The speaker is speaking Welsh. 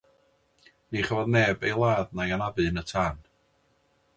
Ni chafodd neb ei ladd na'i anafu yn y tân.